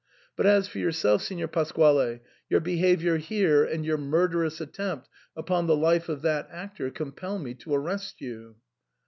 But as for yourself, Signor Pas quale, your behaviour here and your murderous attempt upon the life of that actor compel me to arrest you.